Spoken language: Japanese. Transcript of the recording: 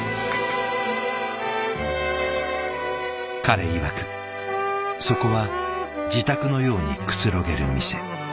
彼いわくそこは自宅のようにくつろげる店。